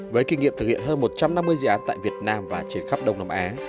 với kinh nghiệm thực hiện hơn một trăm năm mươi dự án tại việt nam và trên khắp đông nam á